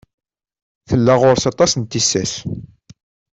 Tella ɣur-s aṭas n tissas.